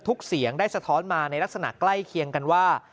เสียงได้สะท้อนมาในลักษณะใกล้เคียงกันว่า